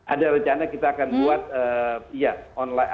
ada rencana kita akan buat online